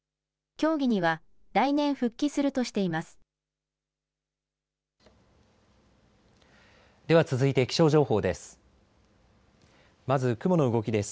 競技には来年、復帰するとしています。